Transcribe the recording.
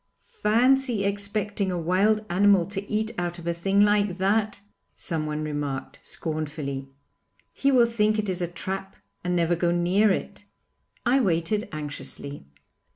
'Fancy expecting a wild animal to eat out of a thing like that,' someone remarked, scornfully; 'he will think it is a trap and never go near it.' I waited anxiously.